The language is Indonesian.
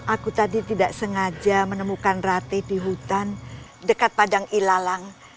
aku tadi tidak sengaja menemukan rate di hutan dekat padang ilalang